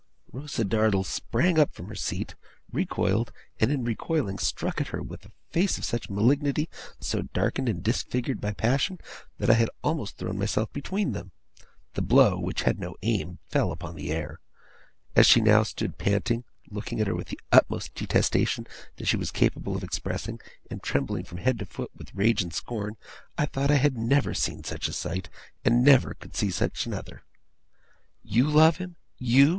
Rosa Dartle sprang up from her seat; recoiled; and in recoiling struck at her, with a face of such malignity, so darkened and disfigured by passion, that I had almost thrown myself between them. The blow, which had no aim, fell upon the air. As she now stood panting, looking at her with the utmost detestation that she was capable of expressing, and trembling from head to foot with rage and scorn, I thought I had never seen such a sight, and never could see such another. 'YOU love him? You?